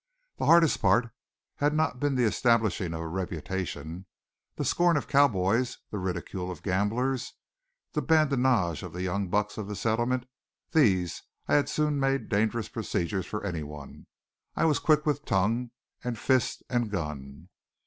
The hardest part had not been the establishing of a reputation. The scorn of cowboys, the ridicule of gamblers, the badinage of the young bucks of the settlement these I had soon made dangerous procedures for any one. I was quick with tongue and fist and gun.